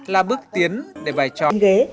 là bước tiến để bài tròi